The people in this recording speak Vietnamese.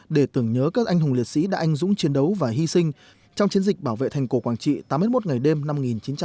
để tưởng nhớ các anh hùng liệt sĩ đã anh dũng chiến đấu và hy sinh trong chiến dịch bảo vệ thành cổ quảng trị tám mươi một ngày đêm năm một nghìn chín trăm bảy mươi